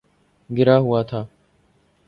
گرا ہوا تھا